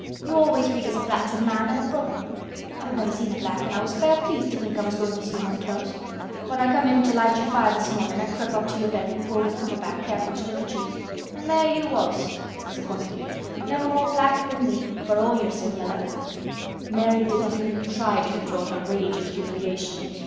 You always read as a black's a man an' a brother. I've never seen a black an' I was fair pleased to think I was goin' to see one close. When I come in to light your fire this mornin' I crep' up to your bed an' pulled th' cover back careful to look at you. An' there you was," disappointedly, "no more black than me—for all you're so yeller." Mary did not even try to control her rage and humiliation.